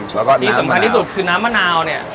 แล้วก็ที่สำคัญที่สุดคือน้ำมะนาวเนี่ย